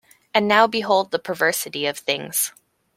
And now behold the perversity of things.